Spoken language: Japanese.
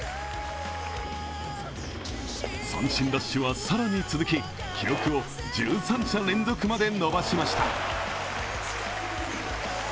三振ラッシュは更に続き、記録を１３者連続まで伸ばしました。